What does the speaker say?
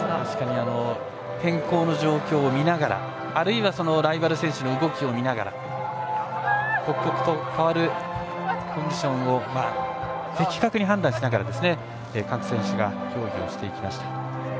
確かに天候の状況を見ながらあるいはライバル選手の動きを見ながら刻々と変わるコンディションを的確に判断しながら各選手が競技をしていきました。